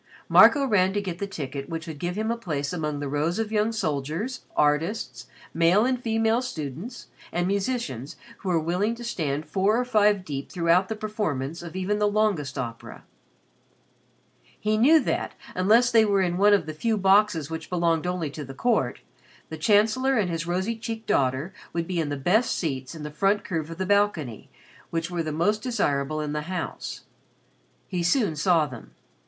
Marco ran to get the ticket which would give him a place among the rows of young soldiers, artists, male and female students, and musicians who were willing to stand four or five deep throughout the performance of even the longest opera. He knew that, unless they were in one of the few boxes which belonged only to the court, the Chancellor and his rosy cheeked daughter would be in the best seats in the front curve of the balcony which were the most desirable of the house. He soon saw them.